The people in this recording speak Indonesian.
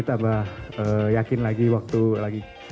tambah yakin lagi waktu lagi